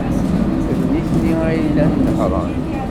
D nitni ay yellan nehhṛen.